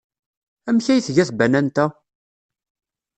Amek ay tga tbanant-a?